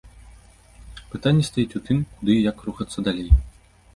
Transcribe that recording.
Пытанне стаіць у тым, куды і як рухацца далей.